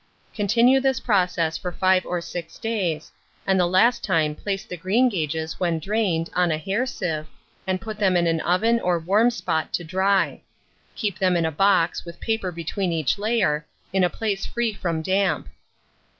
Continue this process for 5 or 6 days, and the last time place the greengages, when drained, on a hair sieve, and put them in an oven or warm spot to dry; keep them in a box, with paper between each layer, in a place free from damp.